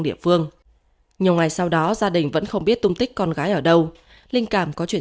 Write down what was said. địa phương nhiều ngày sau đó gia đình vẫn không biết tung tích con gái ở đâu linh cảm có chuyển